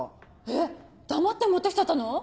えっ黙って持って来ちゃったの？